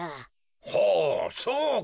ほうそうか。